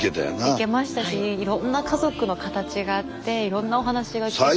いけましたしいろんな家族の形があっていろんなお話が聞けたので。